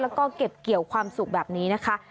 แล้วก็เก็บเกี่ยวความสุขแบบนี้นะคะ